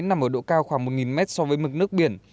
nằm ở độ cao khoảng một mét so với mực nước biển